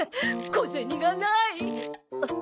小銭がない。